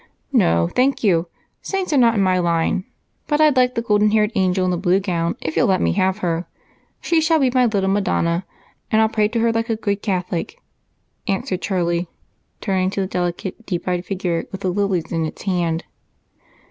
"No, thank you, saints are not in my line but I'd like the golden haired angel in the blue gown if you'll let me have her. She shall be my little Madonna, and I'll pray to her like a good Catholic," answered Charlie, turning to the delicate, deep eyed figure with the lilies in its hand.